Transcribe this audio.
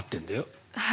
はい。